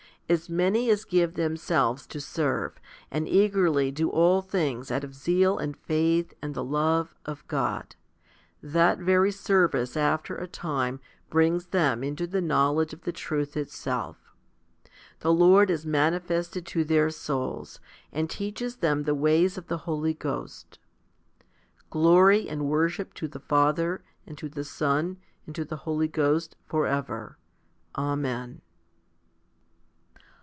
As many as give themselves to serve, and eagerly do all things out of zeal and faith and the love of God, that very service after a time brings them into the knowledge of the truth itself. The Lord is mani fested to their souls, and teaches them the ways of the Holy Ghost. Glory and worship to the Father, and to the Son, and to the Holy Ghost, for ever. Amen.